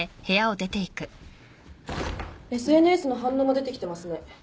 ＳＮＳの反応も出てきてますね。